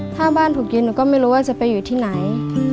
ถ้าบ้านถูกยิงหนูก็ไม่รู้ว่าจะไปอยู่ที่ไหน